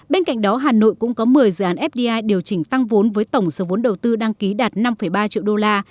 bên cạnh đó hà nội cũng có một mươi dự án fdi điều chỉnh tăng vốn với tổng số vốn đầu tư đăng ký đạt năm ba triệu đô la